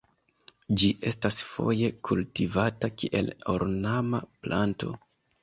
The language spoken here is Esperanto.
Ĝi estas foje kultivata kiel ornama planto.